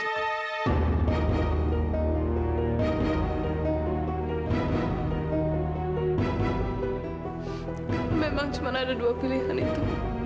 memang cuma ada dua pilihan itu